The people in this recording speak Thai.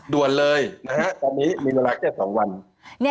ด่วนเลยตอนนี้มีเวลาแค่๒วัน